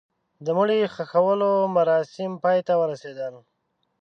د مړي ښخولو مراسم پای ته ورسېدل.